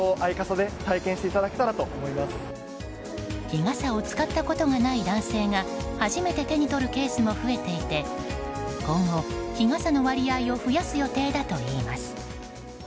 日傘を使ったことがない男性が初めて手に取るケースも増えていて今後、日傘の割合を増やす予定だといいます。